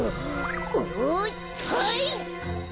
おっはい！